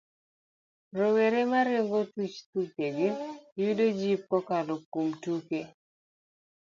Rowere moringo thuchegi yudo jip kokalo kuom tuke.